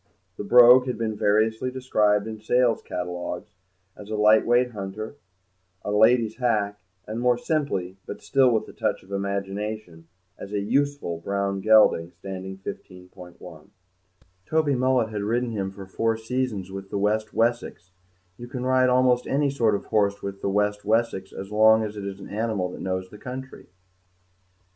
The Brogue had been variously described in sale catalogues as a light weight hunter, a lady's hack, and, more simply, but still with a touch of imagination, as a useful brown gelding, standing 15.1. Toby Mullet had ridden him for four seasons with the West Wessex; you can ride almost any sort of horse with the West Wessex as long as it is an animal that knows the country.